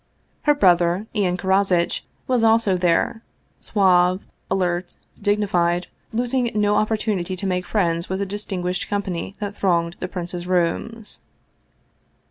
Her .brother, Ian Karozitch, was also there, suave, alert, dignified, losing no opportunity to make friends with the distinguished company that thronged he prince's rooms.